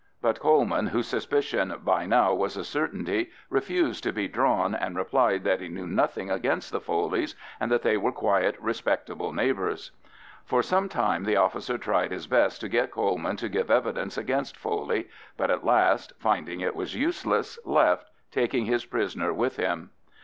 But Coleman, whose suspicion by now was a certainty, refused to be drawn, and replied that he knew nothing against the Foleys, and that they were quiet respectable neighbours. For some time the officer tried his best to get Coleman to give evidence against Foley, but at last, finding it was useless, left, taking his prisoner with him.